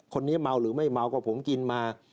คนนี้เมาหรือไม่เมาก็ผมกินมา